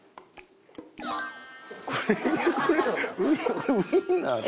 これウインナーと。